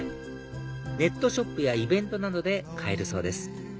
ネットショップやイベントなどで買えるそうです